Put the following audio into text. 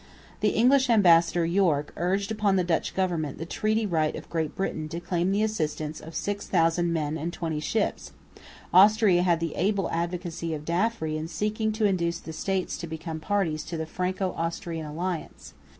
The English ambassador, Yorke, urged upon the Dutch government the treaty right of Great Britain to claim the assistance of 6000 men and twenty ships; Austria had the able advocacy of D'Affry in seeking to induce the States to become parties to the Franco Austrian alliance.